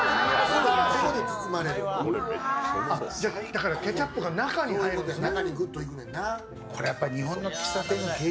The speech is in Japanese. だかあらケチャップが中に入るんですね